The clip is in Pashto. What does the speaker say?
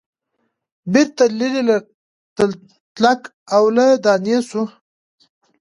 بیرته لیري له تلک او له دانې سو